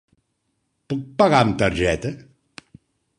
Puc pagar amb targeta?